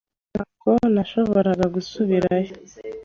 Ntabwo nashoboraga gusubirayo.